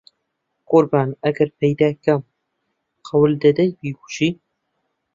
قوربان ئەگەر پەیدا کەم قەول دەدەی بیکوژی؟